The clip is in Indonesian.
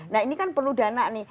nah ini kan perlu dana nih